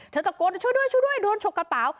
ทันตะโกนช่วยด้วยโดนฉกกระเป๋า